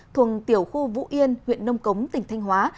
thuần tiểu khu vũ yên huyện nông cống tỉnh thanh hóa